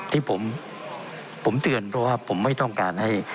ที่ผมเตือนเพราะว่าผมไม่ต้องการให้